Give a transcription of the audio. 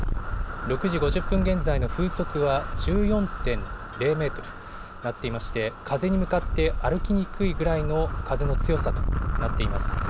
６時５０分現在の風速は１４．０メートルとなっていまして、風に向かって歩きにくいぐらいの風の強さとなっています。